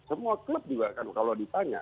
semua klub juga kan kalau ditanya